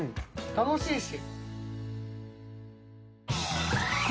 楽しいし。